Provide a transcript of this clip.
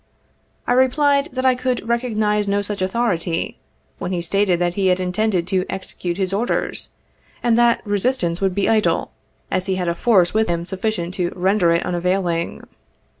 I replied that I could recognize no such authority, when he stated that he intended to execute his orders, and that resistance would be idle, as he had a force with him suffi cient to render it unavailing.